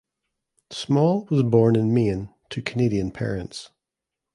Small was born in Maine to Canadian parents.